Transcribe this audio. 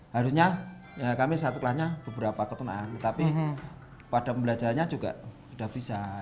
harusnya kami satu kelasnya beberapa ketunaan tetapi pada pembelajarannya juga sudah bisa